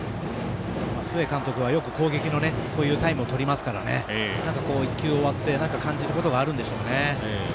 須江監督はよく攻撃のタイムを取りますから１球終わって感じることがあるんでしょうね。